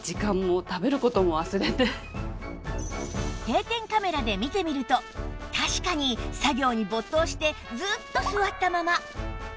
定点カメラで見てみると確かに作業に没頭してずっと座ったまま